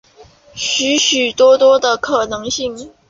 许许多多的可能性